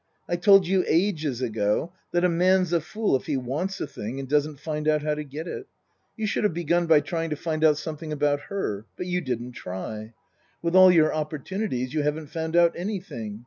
I told you ages ago that a man's a fool if he wants a thing and doesn't find out how to get it. You should have begun by trying to find out something about her. But you didn't try. With all your opportunities you haven't found out anything.